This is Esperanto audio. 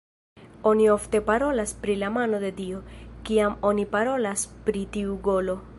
Oni ofte parolas pri "la mano de dio" kiam oni parolas pri tiu golo.